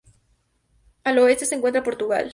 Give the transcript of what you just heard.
Al oeste, se encuentra Portugal.